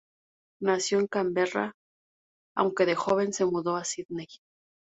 Nació en Canberra, aunque de joven se mudó a Sídney.